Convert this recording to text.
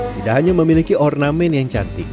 tidak hanya memiliki ornamen yang cantik